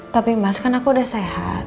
tapi mas kan aku udah sehat